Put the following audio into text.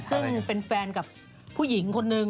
ซึ่งเป็นแฟนกับผู้หญิงคนนึง